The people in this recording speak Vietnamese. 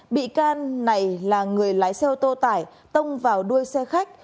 bị can này là người lái xe ô tô tải tông vào đuôi xe khách